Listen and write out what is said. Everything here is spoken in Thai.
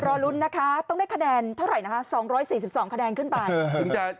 รอลุ้นนะคะต้องได้คะแนนเท่าไหร่นะคะ๒๔๒คะแนนขึ้นไปถึงจะ